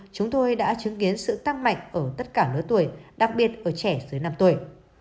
chúng tôi đã chứng kiến sự tăng mạnh ở tất cả lứa tuổi đặc biệt ở trẻ dưới năm tuổi